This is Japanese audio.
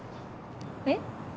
えっ？